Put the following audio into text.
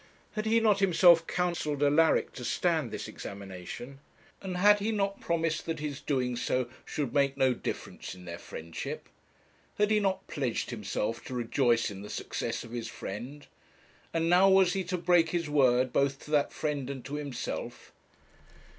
Had he not himself counselled Alaric to stand this examination? and had he not promised that his doing so should make no difference in their friendship? Had he not pledged himself to rejoice in the success of his friend? and now was he to break his word both to that friend and to himself?